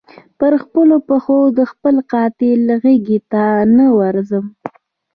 پر خپلو پښو د خپل قاتل غیږي ته نه ورځمه